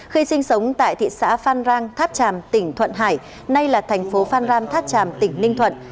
khi sinh sống tại thị xã phan rang tháp tràm tỉnh thuận hải nay là thành phố phan rang tháp tràm tỉnh ninh thuận